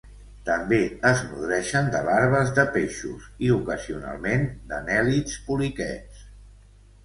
També es nodreixen de larves de peixos i, ocasionalment, d'anèl·lids poliquets.